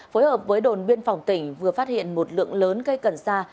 phối hợp với đồn biên phòng tỉnh vừa phát hiện một lượng lớn cây cần sa